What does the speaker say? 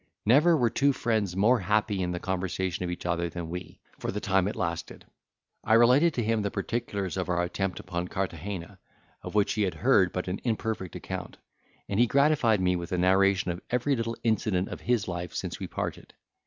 Never were two friends more happy in the conversation of each other than we, for the time it lasted. I related to him the particulars of our attempt upon Carthagena, of which he had heard but an imperfect account; and he gratified me with a narration of every little incident of his life since we parted.